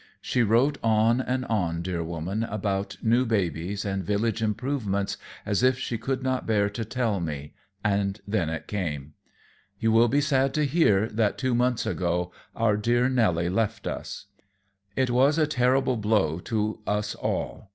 She wrote on and on, dear woman, about new babies and village improvements, as if she could not bear to tell me; and then it came: "You will be sad to hear that two months ago our dear Nelly left us. It was a terrible blow to us all.